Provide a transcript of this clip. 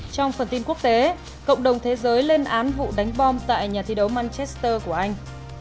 trong phần tin quốc tế cộng đồng thế giới lên án vụ đánh bom tại nhà thi đấu manchester của anh